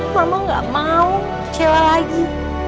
mama gak mau kecewa lagi